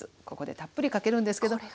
ここでたっぷりかけるんですけど。